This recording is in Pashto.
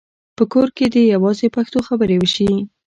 په کور کې دې یوازې پښتو خبرې وشي.